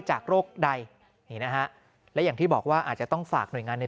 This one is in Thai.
จากโรคใดนี่นะฮะและอย่างที่บอกว่าอาจจะต้องฝากหน่วยงานใน